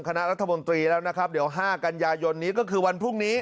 คณะรัฐมนตรีแล้วนะครับเดี๋ยว๕กันยายนนี้ก็คือวันพรุ่งนี้